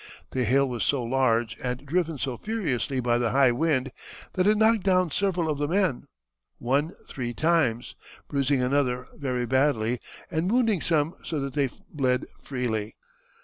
The hail was so large and driven so furiously by the high wind that it knocked down several of the men, one three times, bruising another very badly and wounding some so that they bled freely.